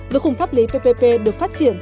với khung pháp lý ppp được phát triển